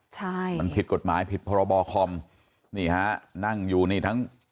ใช่มันผิดกฎหมายผิดพรบคอมนี่ฮะนั่งอยู่นี่ทั้ง